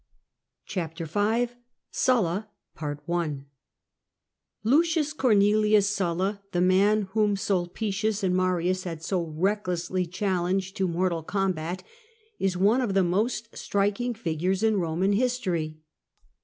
CHAPTER V SULLA Lucius Ooknelius Sulla, tlie man wLom Siilpicins and Marins had so recklessly challenged to mortal combat, is one of the most striking figures in Roman history.